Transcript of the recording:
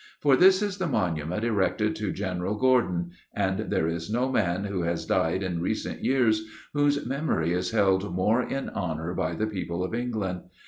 For this is the monument erected to General Gordon, and there is no man who has died in recent years whose memory is held more in honour by the people of England.